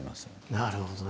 なるほどね。